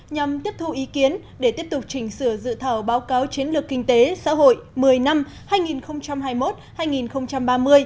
nhằm tiếp thu ý kiến để tiếp tục trình sửa dự thảo báo cáo chiến lược kinh tế xã hội một mươi năm hai nghìn hai mươi một hai nghìn ba mươi